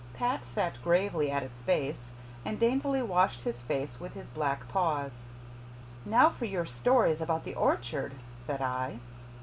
Pat sat gravely at its base and daintily washed his face with his black paws. "Now for your stories about the orchard," said I.